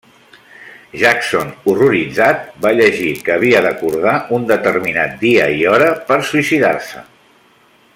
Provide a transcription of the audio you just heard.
Jackson, horroritzat, va llegir que havia d'acordar un determinat dia i hora per suïcidar-se.